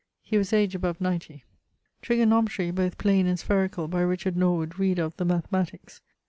He was aged above 90.' Trigonometrie, both plain and sphaerical, by Richard Norwood, reader of the Mathematicks.